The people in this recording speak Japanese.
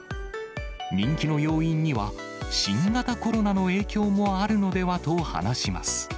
人気の要因には、新型コロナの影響もあるのではと話します。